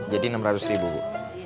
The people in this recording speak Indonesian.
jadi enam ratus ribu bu